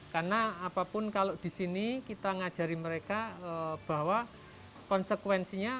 karena apapun kalau di sini kita mengajari mereka bahwa konsekuensinya